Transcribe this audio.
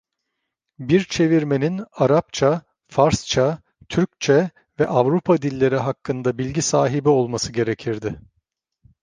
Bir çevirmenin Arapça, Farsça, Türkçe ve Avrupa dilleri hakkında bilgi sahibi olması gerekirdi.